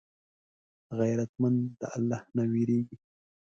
غیرتمند له الله نه وېرېږي